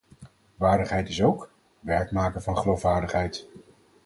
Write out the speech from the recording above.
Waardigheid is ook: werk maken van geloofwaardigheid.